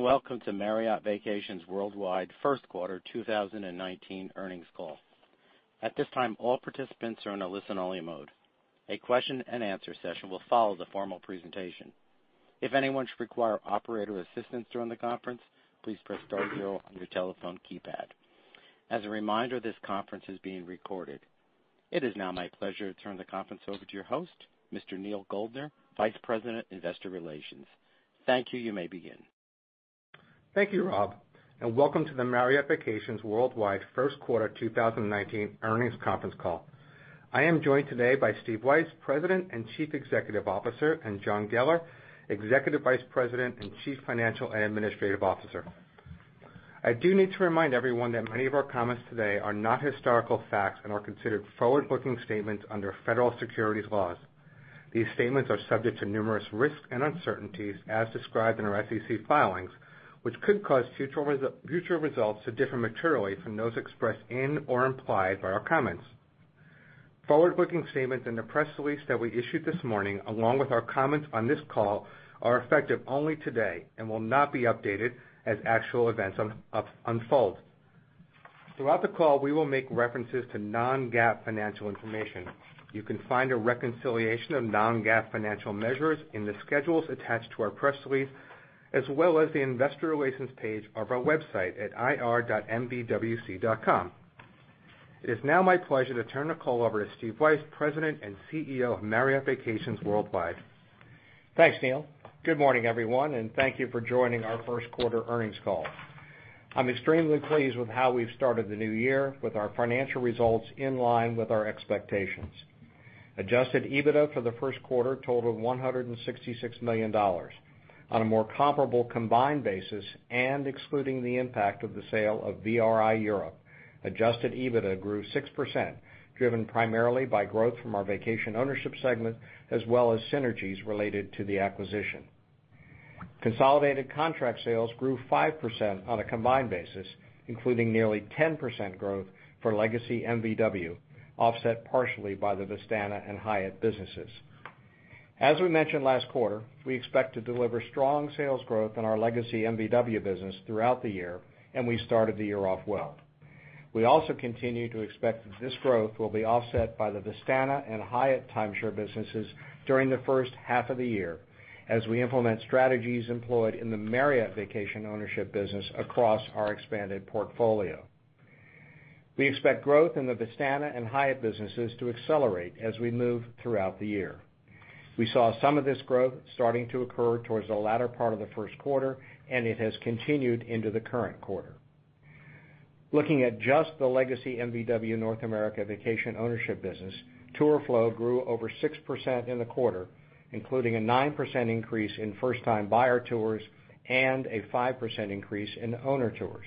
Welcome to Marriott Vacations Worldwide first quarter 2019 earnings call. At this time, all participants are in a listen-only mode. A question and answer session will follow the formal presentation. If anyone should require operator assistance during the conference, please press star zero on your telephone keypad. As a reminder, this conference is being recorded. It is now my pleasure to turn the conference over to your host, Mr. Neal Goldner, Vice President, Investor Relations. Thank you. You may begin. Thank you, Rob, welcome to the Marriott Vacations Worldwide first quarter 2019 earnings conference call. I am joined today by Steve Weisz, President and Chief Executive Officer, and John Geller, Executive Vice President and Chief Financial and Administrative Officer. I do need to remind everyone that many of our comments today are not historical facts and are considered forward-looking statements under federal securities laws. These statements are subject to numerous risks and uncertainties as described in our SEC filings, which could cause future results to differ materially from those expressed in or implied by our comments. Forward-looking statements in the press release that we issued this morning, along with our comments on this call, are effective only today and will not be updated as actual events unfold. Throughout the call, we will make references to non-GAAP financial information. You can find a reconciliation of non-GAAP financial measures in the schedules attached to our press release, as well as the investor relations page of our website at ir.mvwc.com. It is now my pleasure to turn the call over to Steve Weisz, President and CEO of Marriott Vacations Worldwide. Thanks, Neal. Good morning, everyone, thank you for joining our first quarter earnings call. I'm extremely pleased with how we've started the new year with our financial results in line with our expectations. Adjusted EBITDA for the first quarter totaled $166 million. On a more comparable combined basis, excluding the impact of the sale of VRI Europe, adjusted EBITDA grew 6%, driven primarily by growth from our vacation ownership segment, as well as synergies related to the acquisition. Consolidated contract sales grew 5% on a combined basis, including nearly 10% growth for legacy MVW, offset partially by the Vistana and Hyatt businesses. As we mentioned last quarter, we expect to deliver strong sales growth in our legacy MVW business throughout the year, we started the year off well. We also continue to expect that this growth will be offset by the Vistana and Hyatt timeshare businesses during the first half of the year as we implement strategies employed in the Marriott Vacation Ownership business across our expanded portfolio. We expect growth in the Vistana and Hyatt businesses to accelerate as we move throughout the year. We saw some of this growth starting to occur towards the latter part of the first quarter, and it has continued into the current quarter. Looking at just the legacy MVW North America vacation ownership business, tour flow grew over 6% in the quarter, including a 9% increase in first-time buyer tours and a 5% increase in owner tours.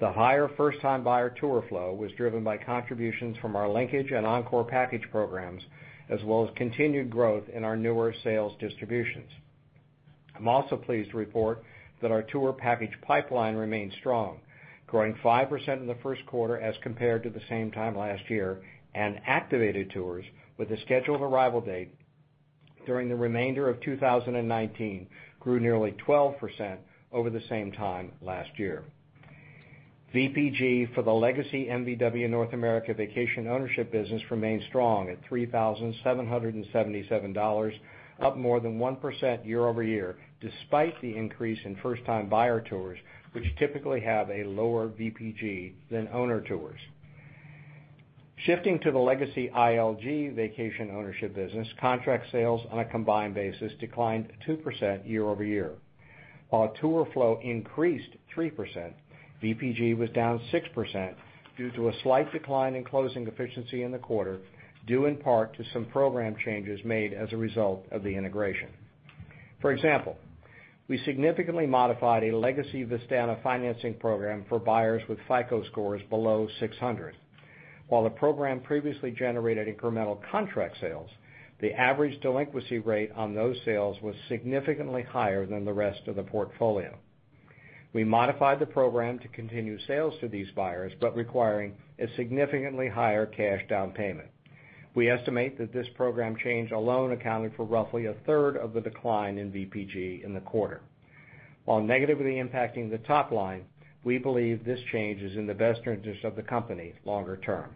The higher first-time buyer tour flow was driven by contributions from our Linkage and Encore package programs, as well as continued growth in our newer sales distributions. I'm also pleased to report that our tour package pipeline remains strong, growing 5% in the first quarter as compared to the same time last year, and activated tours with a scheduled arrival date during the remainder of 2019 grew nearly 12% over the same time last year. VPG for the legacy MVW North America vacation ownership business remains strong at $3,777, up more than 1% year-over-year, despite the increase in first-time buyer tours, which typically have a lower VPG than owner tours. Shifting to the legacy ILG vacation ownership business, contract sales on a combined basis declined 2% year-over-year. While tour flow increased 3%, VPG was down 6% due to a slight decline in closing efficiency in the quarter, due in part to some program changes made as a result of the integration. For example, we significantly modified a legacy Vistana financing program for buyers with FICO scores below 600. While the program previously generated incremental contract sales, the average delinquency rate on those sales was significantly higher than the rest of the portfolio. We modified the program to continue sales to these buyers, but requiring a significantly higher cash down payment. We estimate that this program change alone accounted for roughly a third of the decline in VPG in the quarter. While negatively impacting the top line, we believe this change is in the best interest of the company longer term.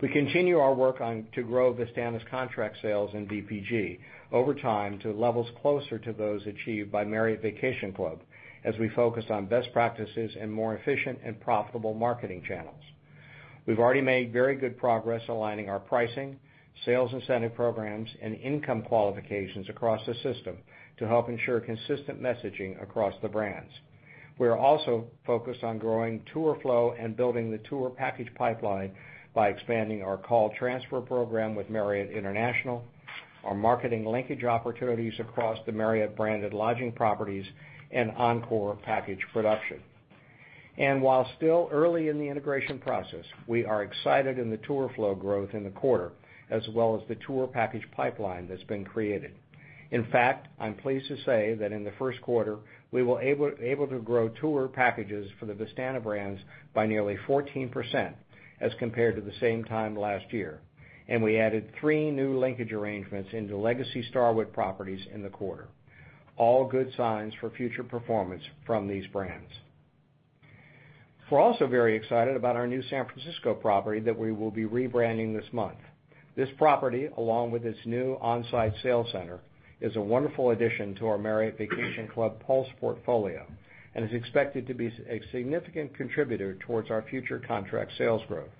We continue our work to grow Vistana's contract sales and VPG over time to levels closer to those achieved by Marriott Vacation Club as we focus on best practices and more efficient and profitable marketing channels. We've already made very good progress aligning our pricing, sales incentive programs, and income qualifications across the system to help ensure consistent messaging across the brands. We are also focused on growing tour flow and building the tour package pipeline by expanding our call transfer program with Marriott International, our marketing Linkage opportunities across the Marriott-branded lodging properties, and Encore package production. While still early in the integration process, we are excited in the tour flow growth in the quarter, as well as the tour package pipeline that's been created. In fact, I'm pleased to say that in the first quarter, we were able to grow tour packages for the Vistana brands by nearly 14% as compared to the same time last year. We added three new Linkage arrangements into legacy Starwood properties in the quarter. All good signs for future performance from these brands. We're also very excited about our new San Francisco property that we will be rebranding this month. This property, along with its new on-site sales center, is a wonderful addition to our Marriott Vacation Club Pulse portfolio and is expected to be a significant contributor towards our future contract sales growth.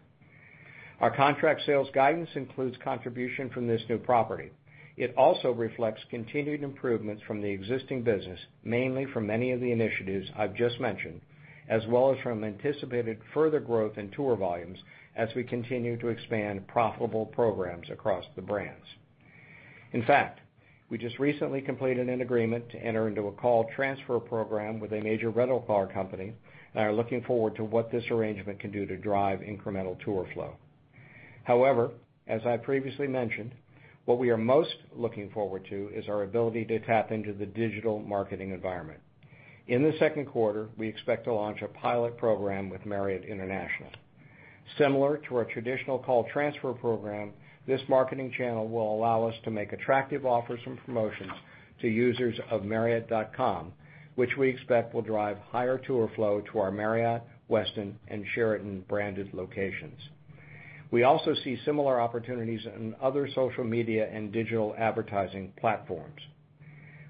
Our contract sales guidance includes contribution from this new property. It also reflects continued improvements from the existing business, mainly from many of the initiatives I've just mentioned, as well as from anticipated further growth in tour volumes as we continue to expand profitable programs across the brands. In fact, we just recently completed an agreement to enter into a call transfer program with a major rental car company and are looking forward to what this arrangement can do to drive incremental tour flow. As I previously mentioned, what we are most looking forward to is our ability to tap into the digital marketing environment. In the second quarter, we expect to launch a pilot program with Marriott International. Similar to our traditional call transfer program, this marketing channel will allow us to make attractive offers and promotions to users of marriott.com, which we expect will drive higher tour flow to our Marriott, Westin, and Sheraton-branded locations. We also see similar opportunities in other social media and digital advertising platforms.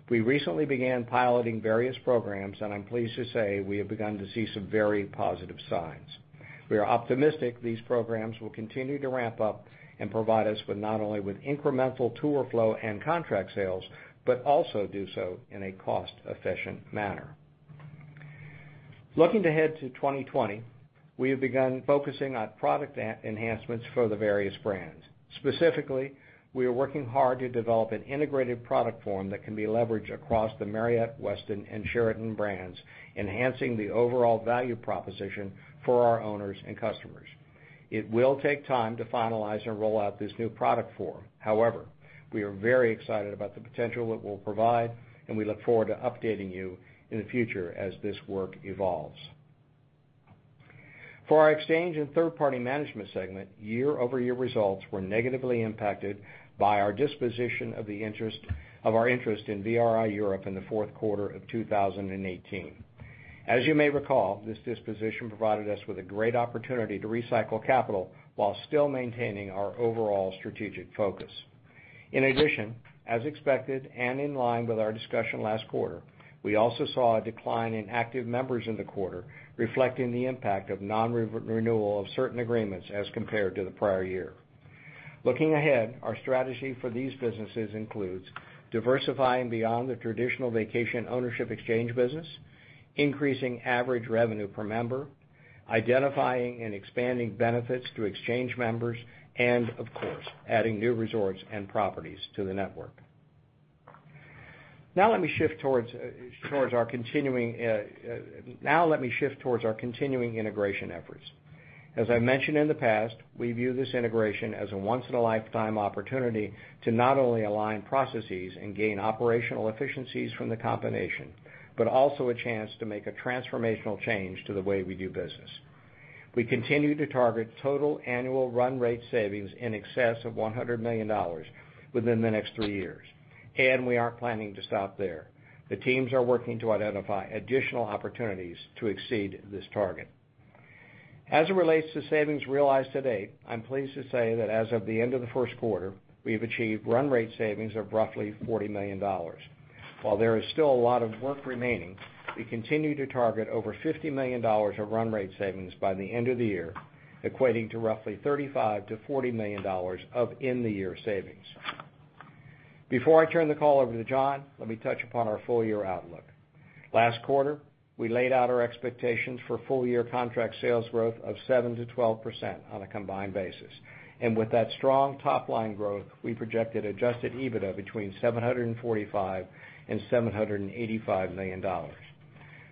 We recently began piloting various programs, and I'm pleased to say we have begun to see some very positive signs. We are optimistic these programs will continue to ramp up and provide us with not only with incremental tour flow and contract sales, but also do so in a cost-efficient manner. Looking ahead to 2020, we have begun focusing on product enhancements for the various brands. Specifically, we are working hard to develop an integrated product form that can be leveraged across the Marriott, Westin, and Sheraton brands, enhancing the overall value proposition for our owners and customers. It will take time to finalize and roll out this new product form. We are very excited about the potential it will provide, and we look forward to updating you in the future as this work evolves. For our exchange and third-party management segment, year-over-year results were negatively impacted by our disposition of our interest in VRI Europe in the fourth quarter of 2018. As you may recall, this disposition provided us with a great opportunity to recycle capital while still maintaining our overall strategic focus. As expected and in line with our discussion last quarter, we also saw a decline in active members in the quarter, reflecting the impact of non-renewal of certain agreements as compared to the prior year. Looking ahead, our strategy for these businesses includes diversifying beyond the traditional vacation ownership exchange business, increasing average revenue per member, identifying and expanding benefits to exchange members, and of course, adding new resorts and properties to the network. Let me shift towards our continuing integration efforts. As I mentioned in the past, we view this integration as a once-in-a-lifetime opportunity to not only align processes and gain operational efficiencies from the combination, but also a chance to make a transformational change to the way we do business. We continue to target total annual run rate savings in excess of $100 million within the next three years. We aren't planning to stop there. The teams are working to identify additional opportunities to exceed this target. As it relates to savings realized to date, I'm pleased to say that as of the end of the first quarter, we've achieved run rate savings of roughly $40 million. While there is still a lot of work remaining, we continue to target over $50 million of run rate savings by the end of the year, equating to roughly $35 million-$40 million of in-the-year savings. Before I turn the call over to John, let me touch upon our full-year outlook. Last quarter, we laid out our expectations for full-year contract sales growth of 7%-12% on a combined basis. With that strong top-line growth, we projected adjusted EBITDA between $745 million-$785 million.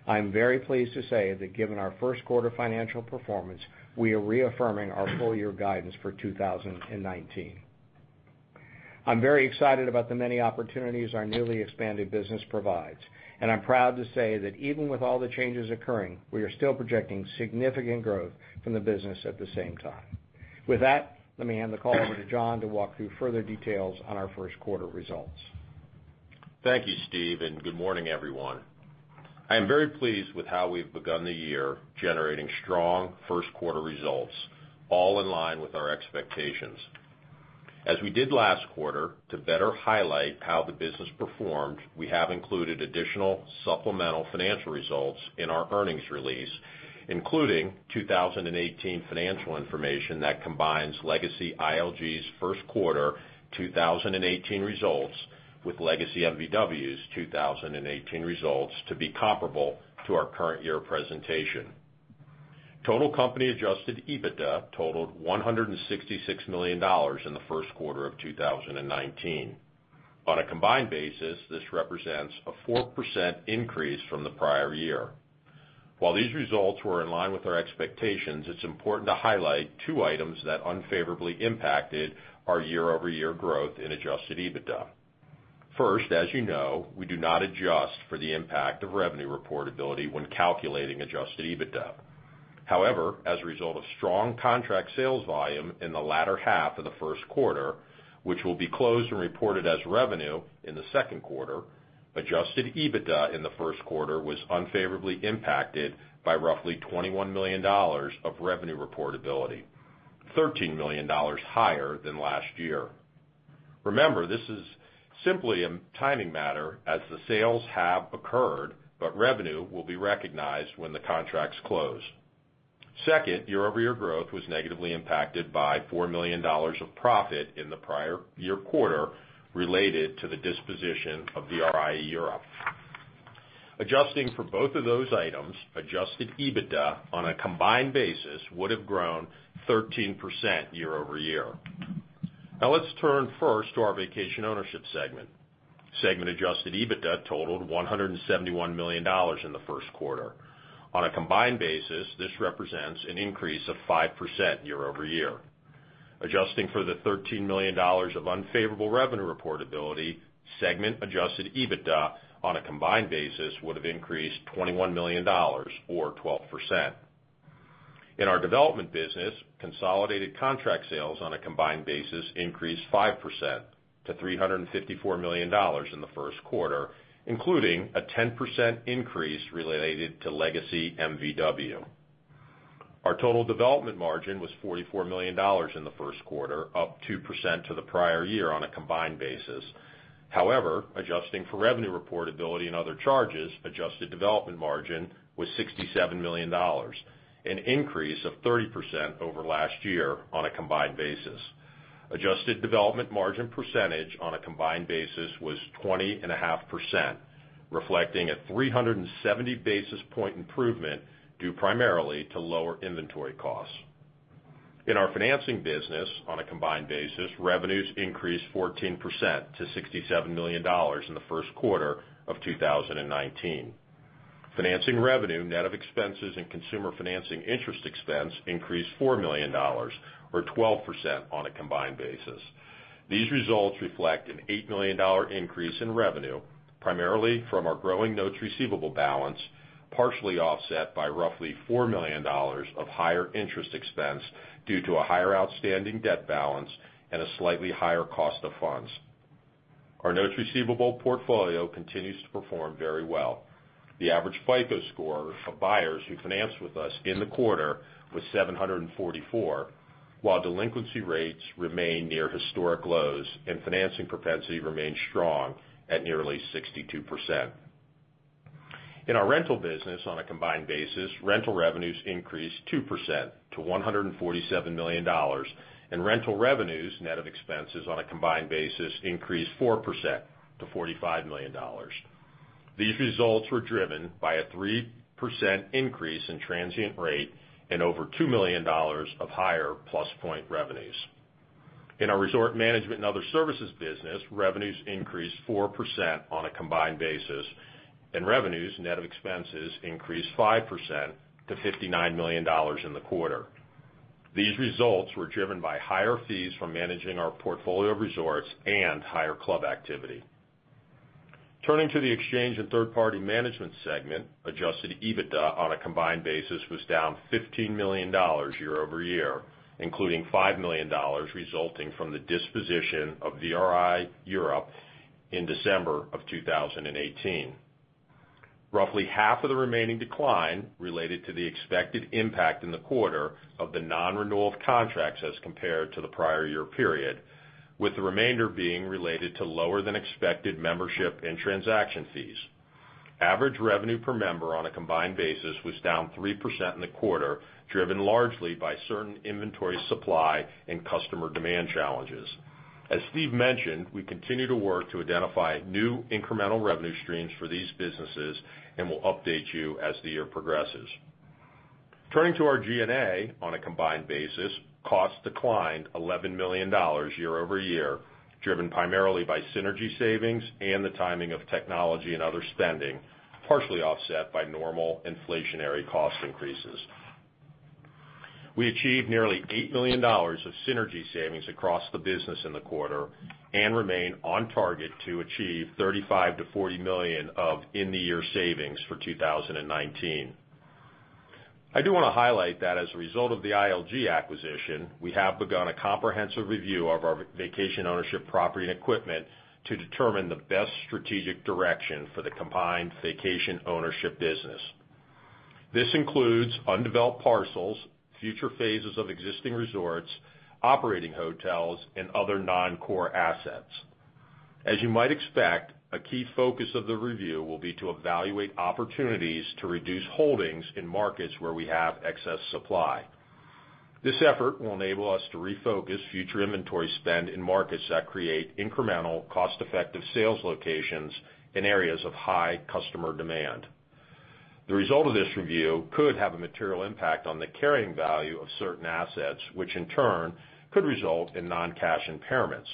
I am very pleased to say that given our first quarter financial performance, we are reaffirming our full-year guidance for 2019. I'm very excited about the many opportunities our newly expanded business provides, and I'm proud to say that even with all the changes occurring, we are still projecting significant growth from the business at the same time. With that, let me hand the call over to John to walk through further details on our first quarter results. Thank you, Steve. Good morning, everyone. I am very pleased with how we've begun the year, generating strong first quarter results, all in line with our expectations. As we did last quarter, to better highlight how the business performed, we have included additional supplemental financial results in our earnings release, including 2018 financial information that combines legacy ILG's first quarter 2018 results with legacy MVW's 2018 results to be comparable to our current year presentation. Total company adjusted EBITDA totaled $166 million in the first quarter of 2019. On a combined basis, this represents a 4% increase from the prior year. While these results were in line with our expectations, it's important to highlight two items that unfavorably impacted our year-over-year growth in adjusted EBITDA. First, as you know, we do not adjust for the impact of revenue reportability when calculating adjusted EBITDA. However, as a result of strong contract sales volume in the latter half of the first quarter, which will be closed and reported as revenue in the second quarter. Adjusted EBITDA in the first quarter was unfavorably impacted by roughly $21 million of revenue reportability, $13 million higher than last year. Remember, this is simply a timing matter, as the sales have occurred, but revenue will be recognized when the contracts close. Second, year-over-year growth was negatively impacted by $4 million of profit in the prior year quarter related to the disposition of VRI Europe. Adjusting for both of those items, adjusted EBITDA on a combined basis would have grown 13% year-over-year. Now let's turn first to our vacation ownership segment. Segment adjusted EBITDA totaled $171 million in the first quarter. On a combined basis, this represents an increase of 5% year-over-year. Adjusting for the $13 million of unfavorable revenue reportability, segment adjusted EBITDA on a combined basis would have increased $21 million or 12%. In our development business, consolidated contract sales on a combined basis increased 5% to $354 million in the first quarter, including a 10% increase related to legacy MVW. Our total development margin was $44 million in the first quarter, up 2% to the prior year on a combined basis. Adjusting for revenue reportability and other charges, adjusted development margin was $67 million, an increase of 30% over last year on a combined basis. Adjusted development margin percentage on a combined basis was 20.5%, reflecting a 370 basis point improvement due primarily to lower inventory costs. In our financing business, on a combined basis, revenues increased 14% to $67 million in the first quarter of 2019. Financing revenue, net of expenses and consumer financing interest expense increased $4 million or 12% on a combined basis. These results reflect an $8 million increase in revenue, primarily from our growing notes receivable balance, partially offset by roughly $4 million of higher interest expense due to a higher outstanding debt balance and a slightly higher cost of funds. Our notes receivable portfolio continues to perform very well. The average FICO score for buyers who financed with us in the quarter was 744, while delinquency rates remain near historic lows and financing propensity remains strong at nearly 62%. In our rental business on a combined basis, rental revenues increased 2% to $147 million, and rental revenues, net of expenses on a combined basis increased 4% to $45 million. These results were driven by a 3% increase in transient rate and over $2 million of higher PlusPoints revenues. In our resort management and other services business, revenues increased 4% on a combined basis, and revenues net of expenses increased 5% to $59 million in the quarter. These results were driven by higher fees from managing our portfolio of resorts and higher club activity. Turning to the exchange and third-party management segment, adjusted EBITDA on a combined basis was down $15 million year-over-year, including $5 million resulting from the disposition of VRI Europe in December of 2018. Roughly half of the remaining decline related to the expected impact in the quarter of the non-renewal of contracts as compared to the prior year period, with the remainder being related to lower than expected membership and transaction fees. Average revenue per member on a combined basis was down 3% in the quarter, driven largely by certain inventory supply and customer demand challenges. As Steve mentioned, we continue to work to identify new incremental revenue streams for these businesses and will update you as the year progresses. Turning to our G&A on a combined basis, costs declined $11 million year-over-year, driven primarily by synergy savings and the timing of technology and other spending, partially offset by normal inflationary cost increases. We achieved nearly $8 million of synergy savings across the business in the quarter and remain on target to achieve $35 million-$40 million of in the year savings for 2019. I do want to highlight that as a result of the ILG acquisition, we have begun a comprehensive review of our vacation ownership property and equipment to determine the best strategic direction for the combined vacation ownership business. This includes undeveloped parcels, future phases of existing resorts, operating hotels, and other non-core assets. As you might expect, a key focus of the review will be to evaluate opportunities to reduce holdings in markets where we have excess supply. This effort will enable us to refocus future inventory spend in markets that create incremental, cost-effective sales locations in areas of high customer demand. The result of this review could have a material impact on the carrying value of certain assets, which in turn could result in non-cash impairments.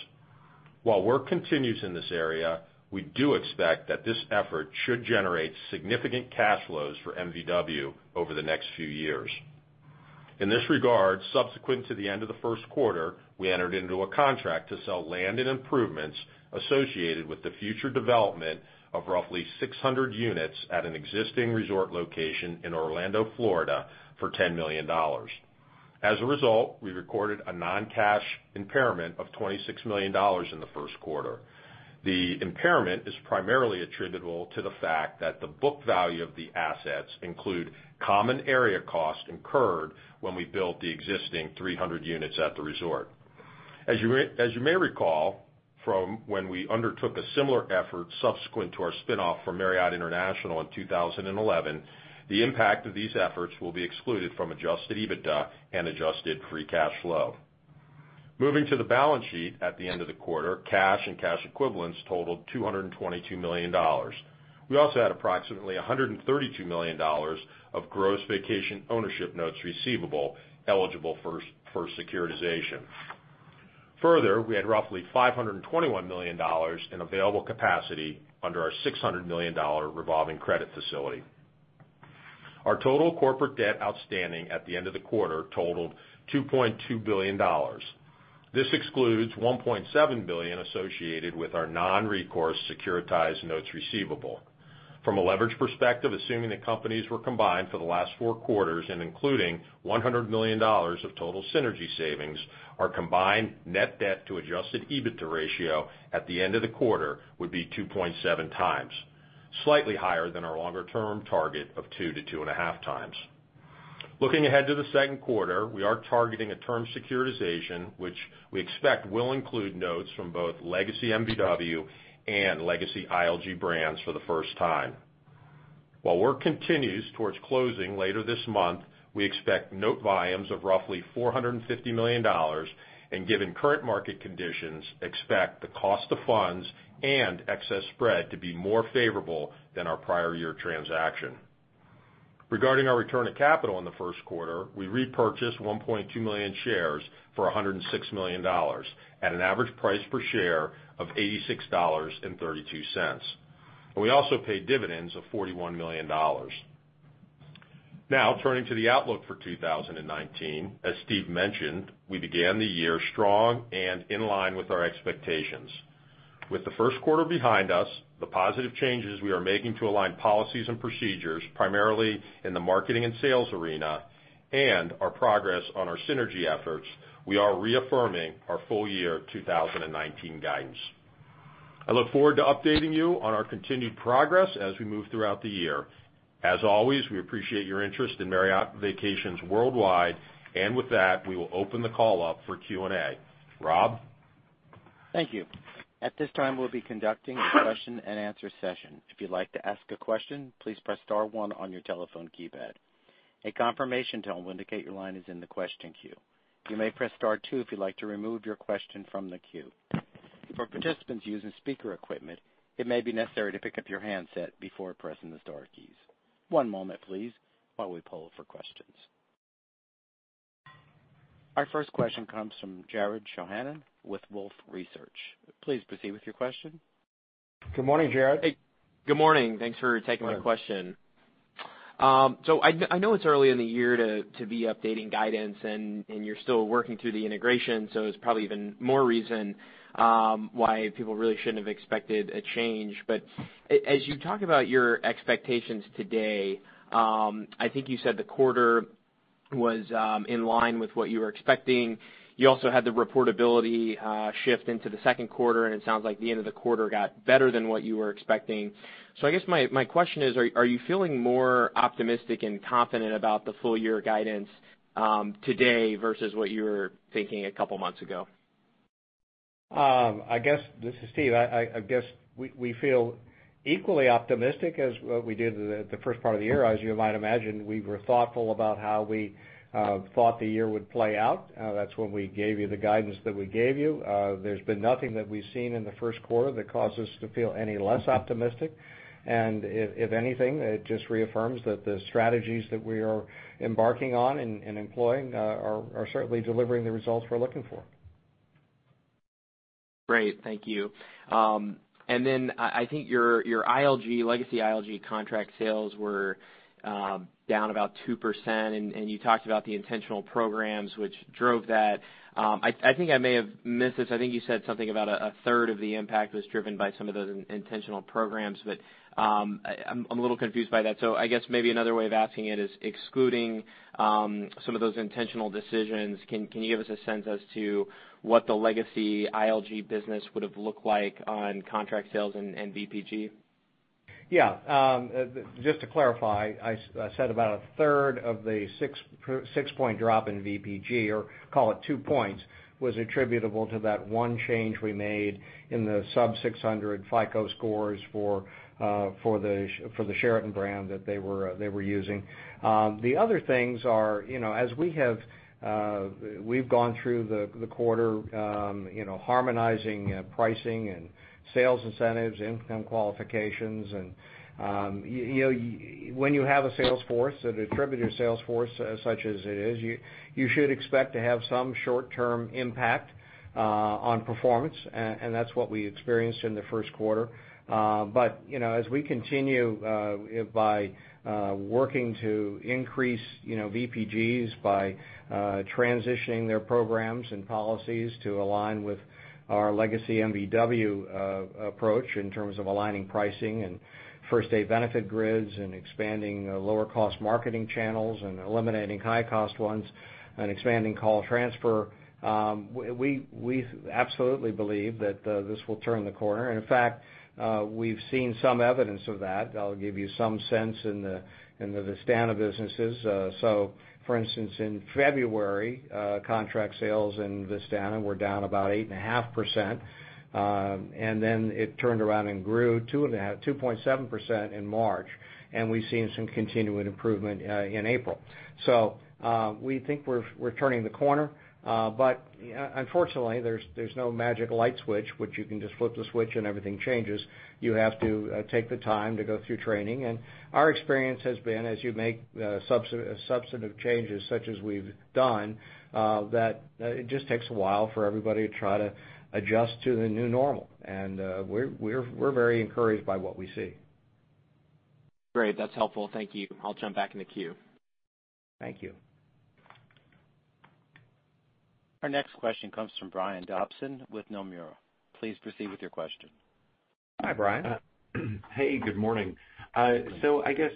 While work continues in this area, we do expect that this effort should generate significant cash flows for MVW over the next few years. In this regard, subsequent to the end of the first quarter, we entered into a contract to sell land and improvements associated with the future development of roughly 600 units at an existing resort location in Orlando, Florida for $10 million. As a result, we recorded a non-cash impairment of $26 million in the first quarter. The impairment is primarily attributable to the fact that the book value of the assets include common area cost incurred when we built the existing 300 units at the resort. As you may recall from when we undertook a similar effort subsequent to our spinoff from Marriott International in 2011, the impact of these efforts will be excluded from adjusted EBITDA and adjusted free cash flow. Moving to the balance sheet at the end of the quarter, cash and cash equivalents totaled $222 million. We also had approximately $132 million of gross vacation ownership notes receivable eligible for securitization. We had roughly $521 million in available capacity under our $600 million revolving credit facility. Our total corporate debt outstanding at the end of the quarter totaled $2.2 billion. This excludes $1.7 billion associated with our non-recourse securitized notes receivable. From a leverage perspective, assuming that companies were combined for the last four quarters and including $100 million of total synergy savings, our combined net debt to adjusted EBITDA ratio at the end of the quarter would be 2.7 times, slightly higher than our longer-term target of two to two and a half times. Ahead to the second quarter, we are targeting a term securitization, which we expect will include notes from both legacy MVW and legacy ILG brands for the first time. Work continues towards closing later this month, we expect note volumes of roughly $450 million, and given current market conditions, expect the cost of funds and excess spread to be more favorable than our prior year transaction. Our return of capital in the first quarter, we repurchased 1.2 million shares for $106 million at an average price per share of $86.32, and we also paid dividends of $41 million. Turning to the outlook for 2019. Steve mentioned, we began the year strong and in line with our expectations. The first quarter behind us, the positive changes we are making to align policies and procedures, primarily in the marketing and sales arena, and our progress on our synergy efforts, we are reaffirming our full year 2019 guidance. I look forward to updating you on our continued progress as we move throughout the year. As always, we appreciate your interest in Marriott Vacations Worldwide. With that, we will open the call up for Q&A. Rob? Thank you. At this time, we'll be conducting a question and answer session. If you'd like to ask a question, please press star one on your telephone keypad. A confirmation tone will indicate your line is in the question queue. You may press star two if you'd like to remove your question from the queue. For participants using speaker equipment, it may be necessary to pick up your handset before pressing the star keys. One moment, please, while we poll for questions. Our first question comes from Jared Shojaian with Wolfe Research. Please proceed with your question. Good morning, Jared. Hey. Good morning. Thanks for taking my question. I know it's early in the year to be updating guidance and you're still working through the integration, it's probably even more reason why people really shouldn't have expected a change. As you talk about your expectations today, I think you said the quarter was in line with what you were expecting. You also had the reportability shift into the second quarter, it sounds like the end of the quarter got better than what you were expecting. I guess my question is, are you feeling more optimistic and confident about the full year guidance today versus what you were thinking a couple of months ago? This is Steve. I guess we feel equally optimistic as what we did the first part of the year. As you might imagine, we were thoughtful about how we thought the year would play out. That's when we gave you the guidance that we gave you. There's been nothing that we've seen in the first quarter that caused us to feel any less optimistic. If anything, it just reaffirms that the strategies that we are embarking on and employing are certainly delivering the results we're looking for. Great. Thank you. I think your legacy ILG contract sales were down about 2%, and you talked about the intentional programs which drove that. I think I may have missed this. I think you said something about a third of the impact was driven by some of those intentional programs, I'm a little confused by that. I guess maybe another way of asking it is, excluding some of those intentional decisions, can you give us a sense as to what the legacy ILG business would have looked like on contract sales and VPG? Just to clarify, I said about a third of the six-point drop in VPG, or call it two points, was attributable to that one change we made in the sub-600 FICO scores for the Sheraton brand that they were using. The other things are, as we've gone through the quarter harmonizing pricing and sales incentives, income qualifications, and you- When you have a sales force, an attributed sales force, such as it is, you should expect to have some short-term impact on performance, and that's what we experienced in the first quarter. As we continue by working to increase VPGs, by transitioning their programs and policies to align with our legacy MVW approach in terms of aligning pricing and first-day benefit grids, and expanding lower cost marketing channels and eliminating high cost ones, and expanding call transfer, we absolutely believe that this will turn the corner. In fact, we've seen some evidence of that. I'll give you some sense in the Vistana businesses. For instance, in February, contract sales in Vistana were down about 8.5%, and then it turned around and grew 2.7% in March, and we've seen some continuing improvement in April. We think we're turning the corner, unfortunately, there's no magic light switch, which you can just flip the switch and everything changes. You have to take the time to go through training. Our experience has been, as you make substantive changes such as we've done, that it just takes a while for everybody to try to adjust to the new normal, and we're very encouraged by what we see. Great. That's helpful. Thank you. I'll jump back in the queue. Thank you. Our next question comes from Brian Dobson with Nomura. Please proceed with your question. Hi, Brian. Hey, good morning. I guess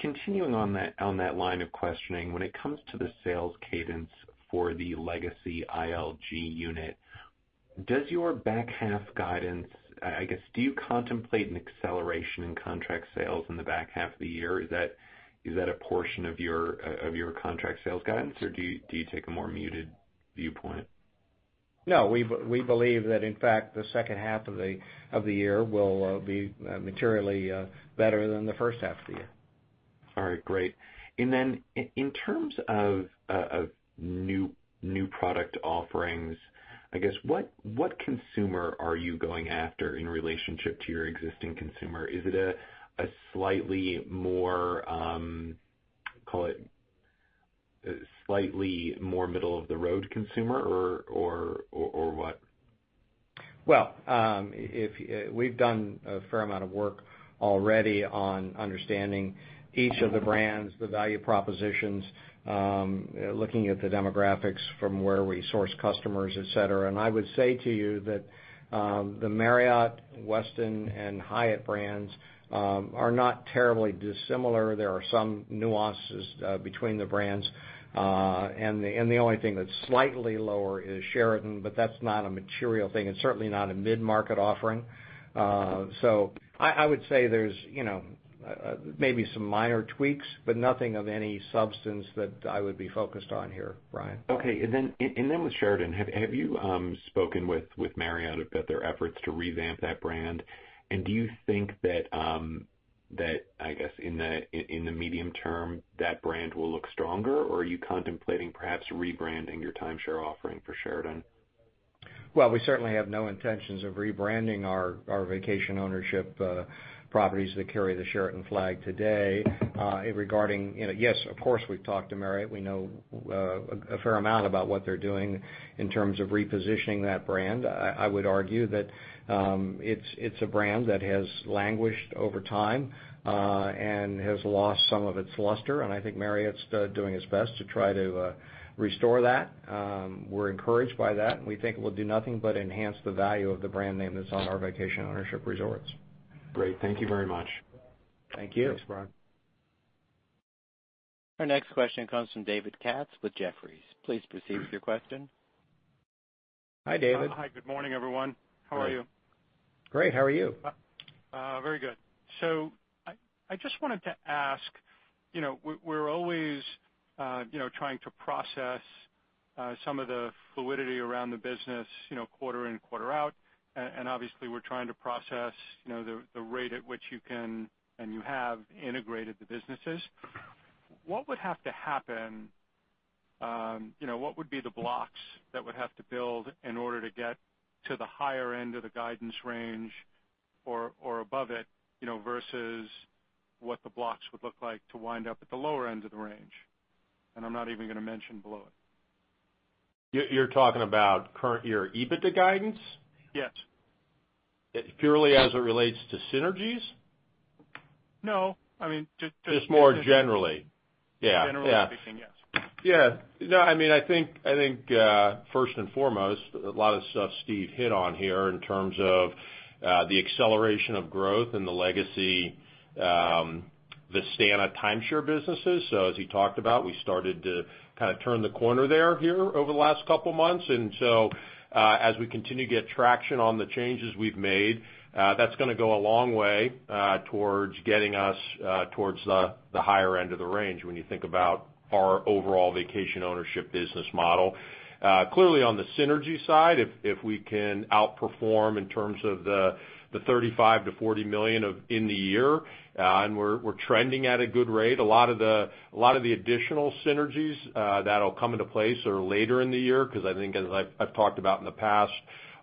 continuing on that line of questioning, when it comes to the sales cadence for the legacy ILG unit, does your back half guidance, I guess, do you contemplate an acceleration in contract sales in the back half of the year? Is that a portion of your contract sales guidance, or do you take a more muted viewpoint? No. We believe that, in fact, the second half of the year will be materially better than the first half of the year. All right, great. In terms of new product offerings, I guess, what consumer are you going after in relationship to your existing consumer? Is it a slightly more, call it slightly more middle of the road consumer or what? Well, we've done a fair amount of work already on understanding each of the brands, the value propositions, looking at the demographics from where we source customers, et cetera. I would say to you that the Marriott, Westin, and Hyatt brands are not terribly dissimilar. There are some nuances between the brands. The only thing that's slightly lower is Sheraton, but that's not a material thing. It's certainly not a mid-market offering. I would say there's maybe some minor tweaks, but nothing of any substance that I would be focused on here, Brian. Okay. With Sheraton, have you spoken with Marriott about their efforts to revamp that brand? Do you think that, I guess, in the medium term, that brand will look stronger, or are you contemplating perhaps rebranding your timeshare offering for Sheraton? Well, we certainly have no intentions of rebranding our vacation ownership properties that carry the Sheraton flag today. Regarding, yes, of course, we've talked to Marriott. We know a fair amount about what they're doing in terms of repositioning that brand. I would argue that it's a brand that has languished over time, and has lost some of its luster, and I think Marriott's doing its best to try to restore that. We're encouraged by that, and we think it will do nothing but enhance the value of the brand name that's on our vacation ownership resorts. Great. Thank you very much. Thank you. Our next question comes from David Katz with Jefferies. Please proceed with your question. Hi, David. Hi. Good morning, everyone. How are you? Great. How are you? Very good. I just wanted to ask, we're always trying to process some of the fluidity around the business quarter in, quarter out, and obviously, we're trying to process the rate at which you can, and you have integrated the businesses. What would be the blocks that would have to build in order to get to the higher end of the guidance range or above it, versus what the blocks would look like to wind up at the lower end of the range? I'm not even going to mention below it. You're talking about your EBITDA guidance? Yes. Purely as it relates to synergies? No, I mean. More generally, yeah. Generally speaking, yes. Yeah. No, I think, first and foremost, a lot of the stuff Steve hit on here in terms of the acceleration of growth and the legacy Vistana timeshare businesses. As he talked about, we started to kind of turn the corner there here over the last couple of months. As we continue to get traction on the changes we've made, that's going to go a long way towards getting us towards the higher end of the range when you think about our overall vacation ownership business model. Clearly, on the synergy side, if we can outperform in terms of the $35 million to $40 million in the year, and we're trending at a good rate. A lot of the additional synergies that'll come into place are later in the year, because I think as I've talked about in the past,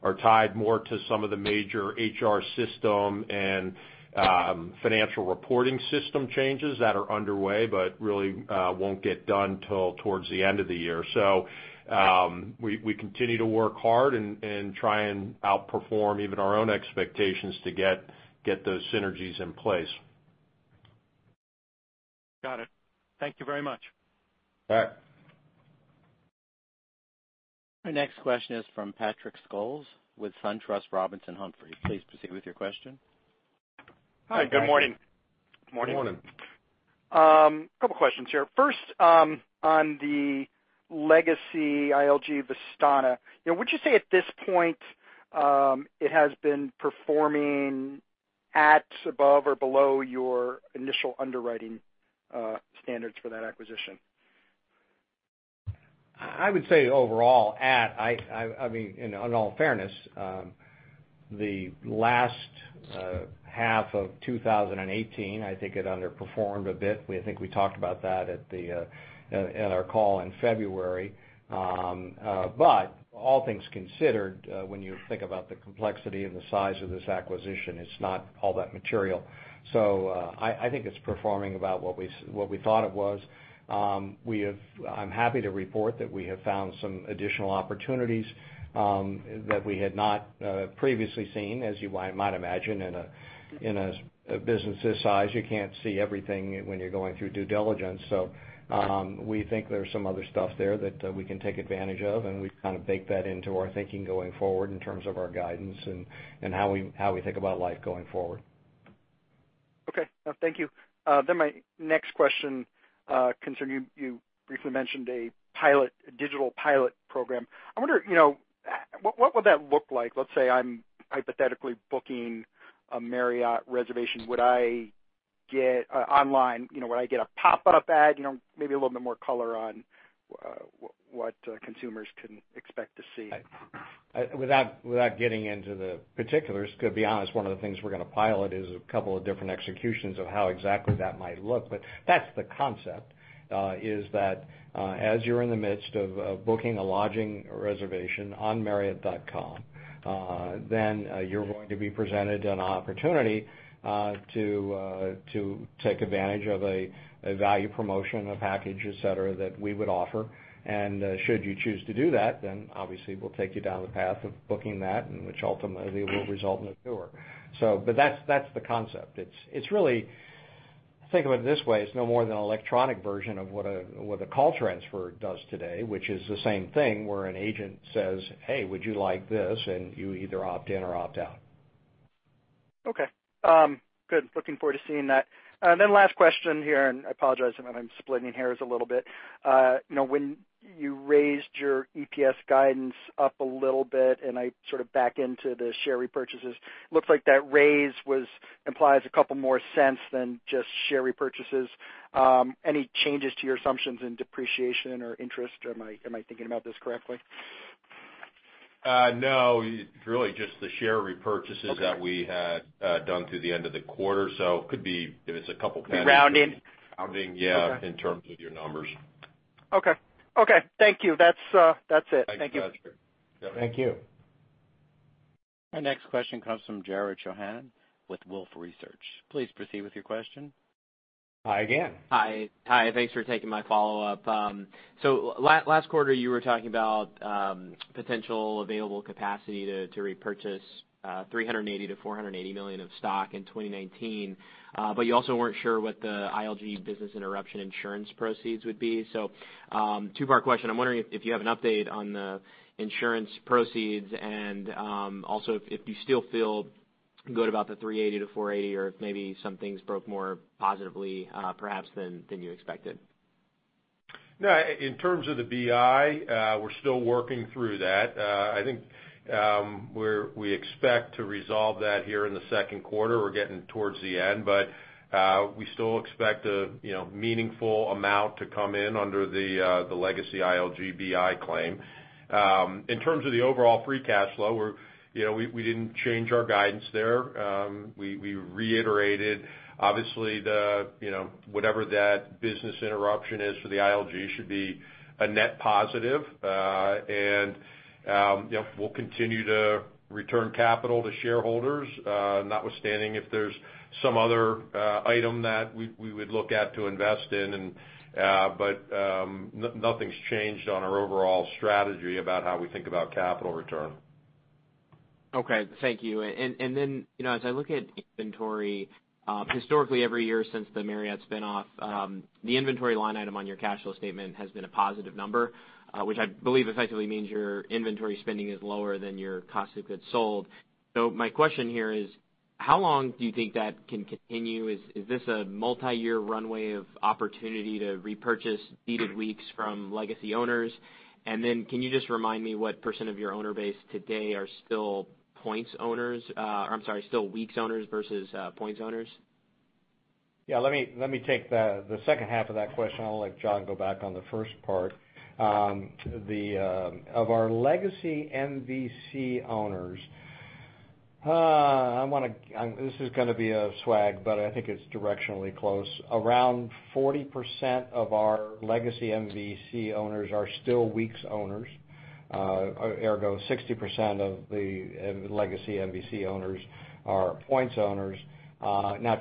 are tied more to some of the major HR system and financial reporting system changes that are underway, but really won't get done till towards the end of the year. We continue to work hard and try and outperform even our own expectations to get those synergies in place. Got it. Thank you very much. All right. Our next question is from Patrick Scholes with SunTrust Robinson Humphrey. Please proceed with your question. Hi, good morning. Morning. Morning. A couple questions here. First, on the legacy ILG Vistana, would you say at this point, it has been performing at, above or below your initial underwriting standards for that acquisition? I would say overall at. In all fairness, the last half of 2018, I think it underperformed a bit. I think we talked about that at our call in February. All things considered, when you think about the complexity and the size of this acquisition, it's not all that material. I think it's performing about what we thought it was. I'm happy to report that we have found some additional opportunities that we had not previously seen. As you might imagine, in a business this size, you can't see everything when you're going through due diligence. We think there's some other stuff there that we can take advantage of, and we kind of bake that into our thinking going forward in terms of our guidance and how we think about life going forward. Okay. No, thank you. My next question, concerning, you briefly mentioned a digital pilot program. I wonder, what would that look like? Let's say I'm hypothetically booking a Marriott reservation online. Would I get a pop-up ad? Maybe a little bit more color on what consumers can expect to see. Without getting into the particulars, because to be honest, one of the things we're going to pilot is a couple of different executions of how exactly that might look. That's the concept, is that, as you're in the midst of booking a lodging reservation on marriott.com, you're going to be presented an opportunity to take advantage of a value promotion, a package, et cetera, that we would offer. Should you choose to do that, then obviously we'll take you down the path of booking that, and which ultimately will result in a tour. That's the concept. Think of it this way, it's no more than an electronic version of what a call transfer does today, which is the same thing where an agent says, "Hey, would you like this?" And you either opt in or opt out. Okay. Good. Looking forward to seeing that. Last question here, and I apologize if I'm splitting hairs a little bit. When you raised your EPS guidance up a little bit, I sort of back into the share repurchases, looks like that raise implies a couple more cents than just share repurchases. Any changes to your assumptions in depreciation or interest? Am I thinking about this correctly? No. It's really just the share repurchases. Okay that we had done through the end of the quarter. It could be, if it's a couple pennies. Rounding rounding, yeah, in terms of your numbers. Okay. Thank you. That's it. Thank you. Thanks, Patrick. Yep. Thank you. Our next question comes from Jared Shojaian with Wolfe Research. Please proceed with your question. Hi again. Hi. Thanks for taking my follow-up. Last quarter, you were talking about potential available capacity to repurchase $380 million-$480 million of stock in 2019. You also weren't sure what the ILG business interruption insurance proceeds would be. Two-part question. I'm wondering if you have an update on the insurance proceeds and also if you still feel good about the $380-$480, or if maybe some things broke more positively perhaps than you expected. In terms of the BI, we're still working through that. I think we expect to resolve that here in the second quarter. We're getting towards the end, we still expect a meaningful amount to come in under the legacy ILG BI claim. In terms of the overall free cash flow, we didn't change our guidance there. We reiterated, obviously, whatever that business interruption is for the ILG should be a net positive. We'll continue to return capital to shareholders, notwithstanding if there's some other item that we would look at to invest in. Nothing's changed on our overall strategy about how we think about capital return. Okay, thank you. As I look at inventory, historically every year since the Marriott spinoff, the inventory line item on your cash flow statement has been a positive number, which I believe effectively means your inventory spending is lower than your cost of goods sold. My question here is, how long do you think that can continue? Is this a multi-year runway of opportunity to repurchase deeded weeks from legacy owners? Can you just remind me what % of your owner base today are still weeks owners versus points owners? Yeah, let me take the second half of that question. I'll let John go back on the first part. Of our legacy MVC owners, this is going to be a swag, but I think it's directionally close. Around 40% of our legacy MVC owners are still weeks owners. Ergo, 60% of the legacy MVC owners are points owners.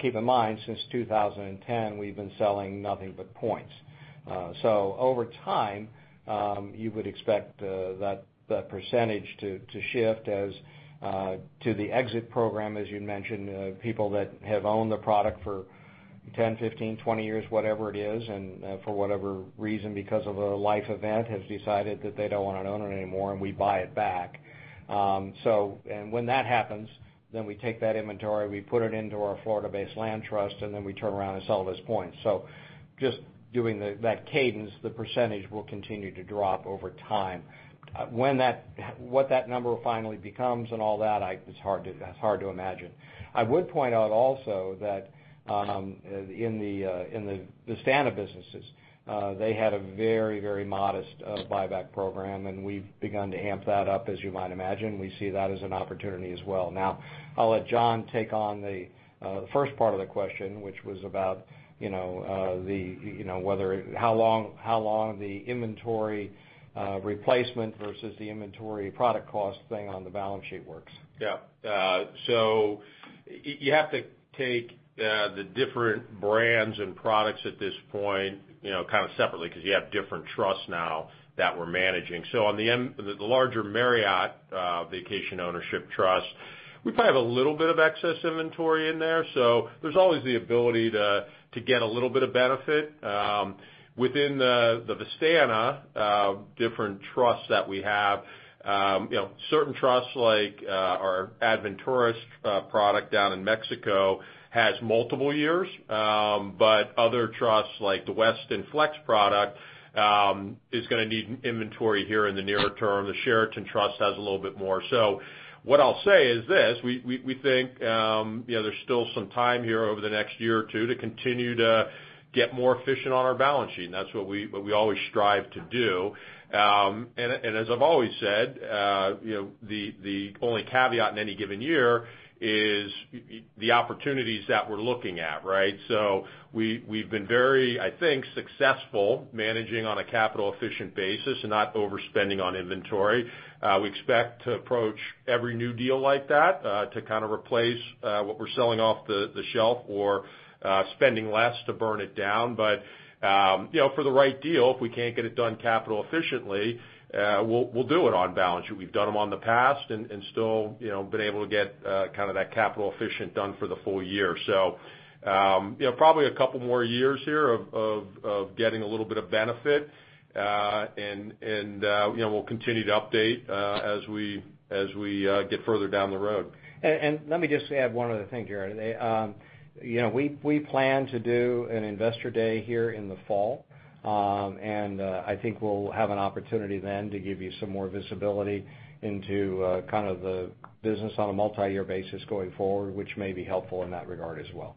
Keep in mind, since 2010, we've been selling nothing but points. Over time, you would expect that percentage to shift as to the exit program, as you'd mentioned, people that have owned the product for 10, 15, 20 years, whatever it is, and for whatever reason, because of a life event, have decided that they don't want to own it anymore, and we buy it back. When that happens, then we take that inventory, we put it into our Florida-based land trust, and then we turn around and sell it as points. Just doing that cadence, the percentage will continue to drop over time. What that number finally becomes and all that's hard to imagine. I would point out also that in the Vistana businesses, they had a very modest buyback program, and we've begun to amp that up, as you might imagine. We see that as an opportunity as well. I'll let John take on the first part of the question, which was about how long the inventory replacement versus the inventory product cost thing on the balance sheet works. Yeah. You have to take the different brands and products at this point kind of separately because you have different trusts now that we're managing. On the larger Marriott Vacation Ownership Trust, we probably have a little bit of excess inventory in there. There's always the ability to get a little bit of benefit. Within the Vistana different trusts that we have, certain trusts like our Aventura product down in Mexico has multiple years. Other trusts like the Westin Flex product is going to need inventory here in the near term. The Sheraton Trust has a little bit more. What I'll say is this, we think there's still some time here over the next year or two to continue to get more efficient on our balance sheet, and that's what we always strive to do. As I've always said, the only caveat in any given year is the opportunities that we're looking at, right? We've been very, I think, successful managing on a capital efficient basis and not overspending on inventory. We expect to approach every new deal like that to kind of replace what we're selling off the shelf or spending less to burn it down. For the right deal, if we can't get it done capital efficiently, we'll do it on balance sheet. We've done them in the past and still been able to get kind of that capital efficient done for the full year. Probably a couple more years here of getting a little bit of benefit, and we'll continue to update as we get further down the road. Let me just add one other thing here. We plan to do an investor day here in the fall, and I think we'll have an opportunity then to give you some more visibility into kind of the business on a multi-year basis going forward, which may be helpful in that regard as well.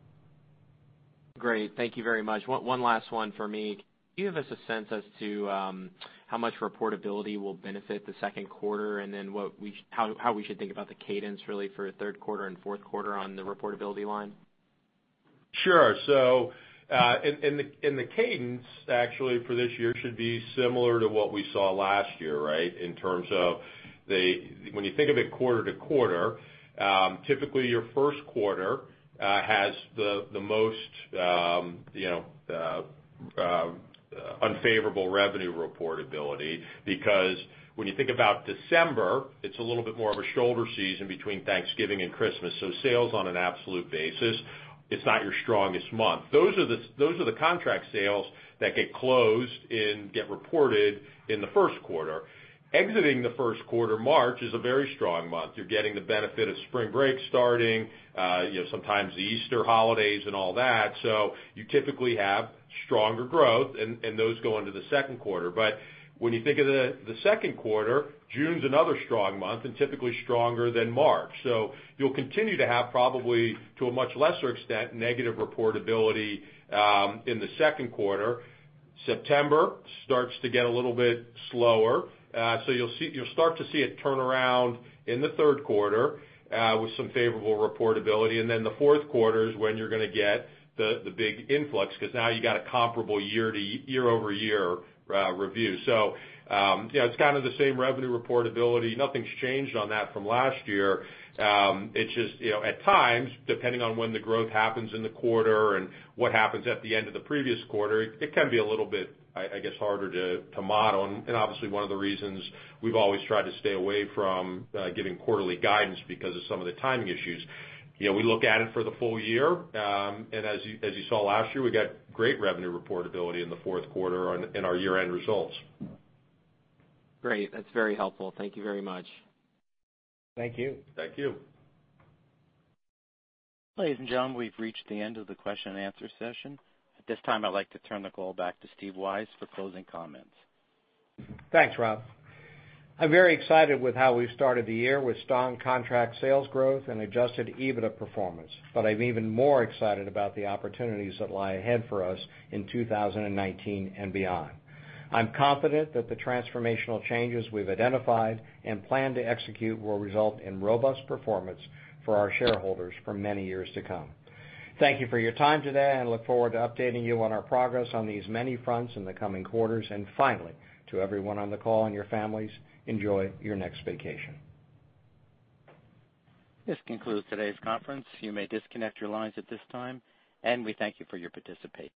Great. Thank you very much. One last one for me. Can you give us a sense as to how much reportability will benefit the second quarter, and then how we should think about the cadence really for third quarter and fourth quarter on the reportability line? Sure. The cadence actually for this year should be similar to what we saw last year, right? In terms of when you think of it quarter to quarter, typically your first quarter has the most unfavorable revenue reportability because when you think about December, it's a little bit more of a shoulder season between Thanksgiving and Christmas. Sales on an absolute basis, it's not your strongest month. Those are the contract sales that get closed and get reported in the first quarter. Exiting the first quarter, March is a very strong month. You're getting the benefit of spring break starting, sometimes the Easter holidays and all that. You typically have stronger growth and those go into the second quarter. When you think of the second quarter, June's another strong month and typically stronger than March. You'll continue to have probably, to a much lesser extent, negative reportability in the second quarter. September starts to get a little bit slower. You'll start to see it turn around in the third quarter with some favorable reportability, and then the fourth quarter is when you're going to get the big influx because now you got a comparable year-over-year review. It's kind of the same revenue reportability. Nothing's changed on that from last year. It's just at times, depending on when the growth happens in the quarter and what happens at the end of the previous quarter, it can be a little bit, I guess, harder to model. Obviously one of the reasons we've always tried to stay away from giving quarterly guidance because of some of the timing issues. We look at it for the full year, as you saw last year, we got great revenue reportability in the fourth quarter in our year-end results. Great. That's very helpful. Thank you very much. Thank you. Thank you. Ladies and gentlemen, we've reached the end of the question and answer session. At this time, I'd like to turn the call back to Stephen Weisz for closing comments. Thanks, Rob. I'm very excited with how we started the year with strong contract sales growth and adjusted EBITDA performance. I'm even more excited about the opportunities that lie ahead for us in 2019 and beyond. I'm confident that the transformational changes we've identified and plan to execute will result in robust performance for our shareholders for many years to come. Thank you for your time today and look forward to updating you on our progress on these many fronts in the coming quarters. Finally, to everyone on the call and your families, enjoy your next vacation. This concludes today's conference. You may disconnect your lines at this time, and we thank you for your participation.